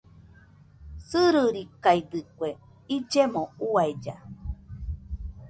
Sɨririkaidɨkue illemo uailla.